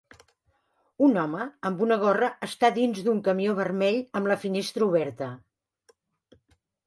Un home amb una gorra està dins d'un camió vermell amb la finestra oberta.